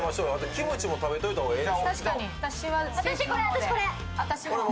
キムチも食べといた方がええ。